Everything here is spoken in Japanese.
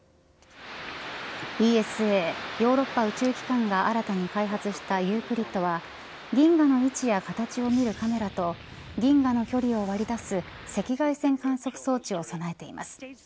ＥＳＡヨーロッパ宇宙機関が新たに開発したユークリッドは銀河の位置や形を見るカメラと銀河の距離を割り出す赤外線観測装置を備えています。